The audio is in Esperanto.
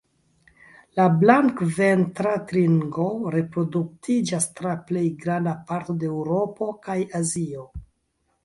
La Blankventra tringo reproduktiĝas tra plej granda parto de Eŭropo kaj Azio.